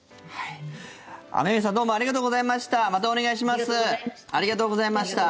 雨宮さんどうもありがとうございました。